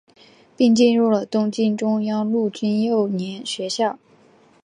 并进入了东京中央陆军幼年学校。